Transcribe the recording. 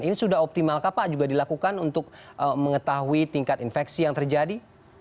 ini sudah optimalkah pak juga dilakukan untuk mengetahui tingkat infeksi yang terjadi